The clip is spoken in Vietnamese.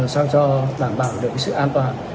sao cho bảo đảm được cái sự an toàn